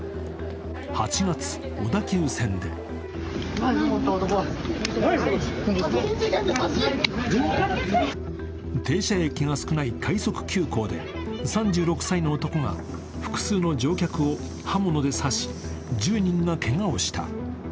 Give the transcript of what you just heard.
８月、小田急線で停車駅が少ない快速急行で３６歳の男が複数の乗客を刃物で刺し、１０人がけがをした。